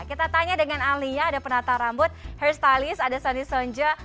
kita tanya dengan alia ada penata rambut hairstylist ada sonny sonjo